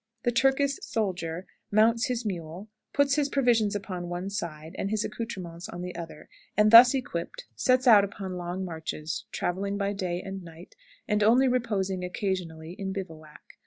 "The Turkish soldier mounts his mule, puts his provisions upon one side and his accoutrements upon the other, and, thus equipped, sets out upon long marches, traveling day and night, and only reposing occasionally in bivouac.